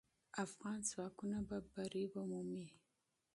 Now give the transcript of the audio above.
افغان ځواکونه به بری مومي.